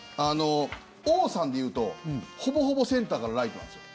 王さんでいうとほぼほぼセンターからライトなんですよ。